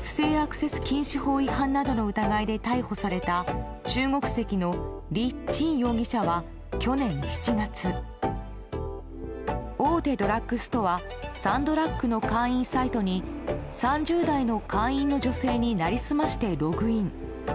不正アクセス禁止法違反などの疑いで逮捕された中国籍のリ・チン容疑者は去年７月大手ドラッグストアサンドラッグの会員サイトに３０代の会員の女性に成り済ましてログイン。